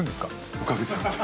◆おかげさまで。